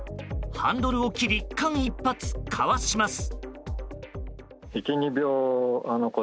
ハンドルを切り間一髪かわします。